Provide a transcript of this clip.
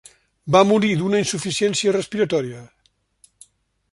Va morir d'una insuficiència respiratòria.